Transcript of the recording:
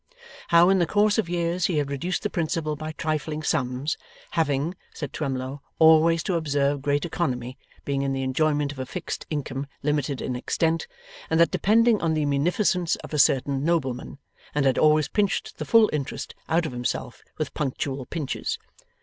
How, in the course of years, he had reduced the principal by trifling sums, 'having,' said Twemlow, 'always to observe great economy, being in the enjoyment of a fixed income limited in extent, and that depending on the munificence of a certain nobleman,' and had always pinched the full interest out of himself with punctual pinches.